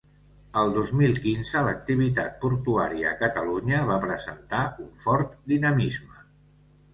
El dos mil quinze l'activitat portuària a Catalunya va presentar un fort dinamisme.